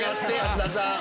安田さん。